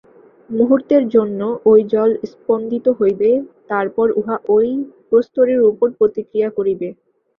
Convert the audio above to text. মুহূর্তের জন্য ঐ জল স্পন্দিত হইবে, তারপর উহা ঐ প্রস্তরের উপর প্রতিক্রিয়া করিবে।